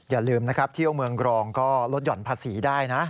อย่าลืมนะครับเที่ยวเมืองกรองก็ลดหย่อนภาษีได้นะ